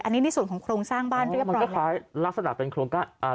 อันนี้นี่ส่วนของโครงสร้างบ้านเรียบร้อยมันก็คล้ายลักษณะเป็นโครงการ